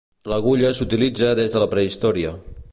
L'agulla s'utilitza des de la prehistòria.